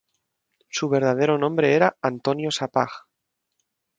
Su verdadero nombre era Antonio Sapag.